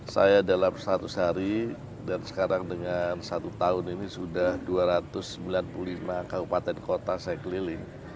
saya dalam seratus hari dan sekarang dengan satu tahun ini sudah dua ratus sembilan puluh lima kabupaten kota saya keliling